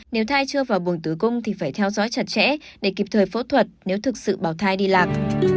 nếu thai chưa vào buồng tứ cung thì phải theo dõi chặt chẽ để kịp thời phẫu thuật nếu thực sự bảo thai đi lạc